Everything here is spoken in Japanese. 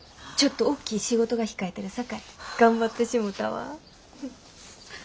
ちょっとおっきい仕事が控えてるさかい頑張ってしもたわ。